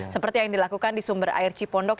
seperti yang dilakukan di sumber air cipondok